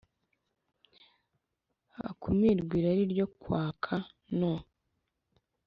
hakumirwe irari ryo kwaka no